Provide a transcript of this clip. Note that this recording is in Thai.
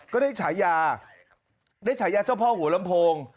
ก็ได้ฉายาเจ้าพ่อหัวลำโพง